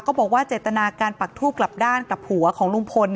บอกว่าเจตนาการปักทูบกลับด้านกลับหัวของลุงพล